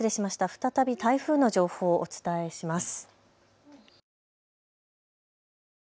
再び台風の情報をお伝えします。